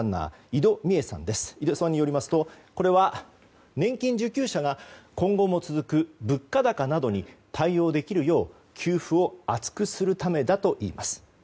井戸さんによりますとこれは年金受給者が今後も続く物価高などに対応できるよう給付を厚くするためだといいます。